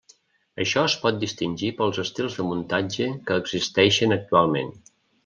Això es pot distingir pels estils de muntatge que existeixen actualment.